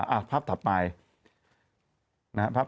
อ่ะภาพถับไป